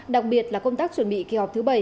đặc biệt là công tác chuẩn bị kỳ họp thứ bảy